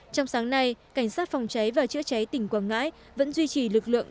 trong sáng nay cảnh sát phòng cháy và chữa cháy tỉnh quảng ngãi vẫn duy trì lực lượng